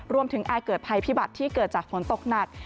อาจเกิดภัยพิบัติที่เกิดจากฝนตกหนัก